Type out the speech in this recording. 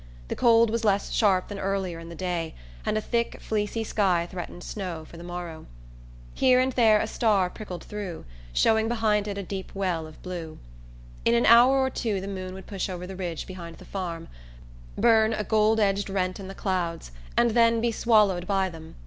The cold was less sharp than earlier in the day and a thick fleecy sky threatened snow for the morrow. Here and there a star pricked through, showing behind it a deep well of blue. In an hour or two the moon would push over the ridge behind the farm, burn a gold edged rent in the clouds, and then be swallowed by them.